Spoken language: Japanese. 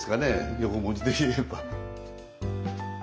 横文字で言えば。